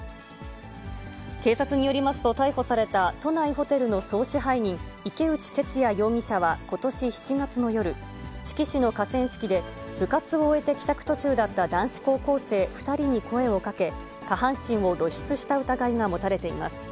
警察によりますと、逮捕された都内ホテルの総支配人、池内徹也容疑者は、ことし７月の夜、志木市の河川敷で、部活を終えて帰宅途中だった男子高校生２人に声をかけ、下半身を露出した疑いが持たれています。